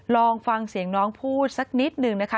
ลองฟังเสียงน้องพูดสักนิดหนึ่งนะคะ